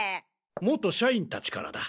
元社員達からだ。